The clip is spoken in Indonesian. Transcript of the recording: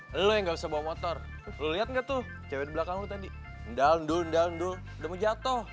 hai lo nggak bisa bawa motor lihat nggak tuh cewek belakang tadi ndal ndal ndal ndal jatuh